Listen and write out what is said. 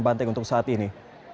nanti untuk saat ini